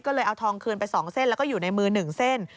ก็เลยเอาทองคืนไป๒เส้นแล้วก็อยู่ในมือ๑เส้น